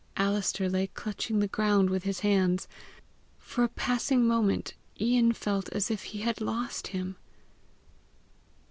Alister lay clutching the ground with his hands. For a passing moment Ian felt as if he had lost him.